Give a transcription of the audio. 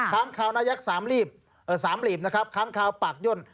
ค้ำข่าวหน้ายักษ์สามลีบค้ำข่าวปากย่น